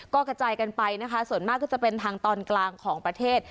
ก็กระจายกันไปนะคะส่วนมากก็จะเป็นทางตอนกลางของประเทศ